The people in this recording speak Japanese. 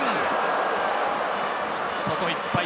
外いっぱい。